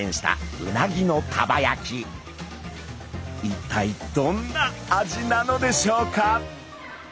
一体どんな味なのでしょうか？